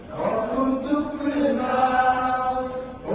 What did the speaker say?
ขอบคุณทุกเพื่อนบ้า